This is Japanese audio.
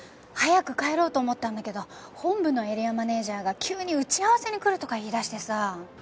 早く帰ろうと思ったんだけど本部のエリアマネージャーが急に打ち合わせに来るとか言いだしてさ。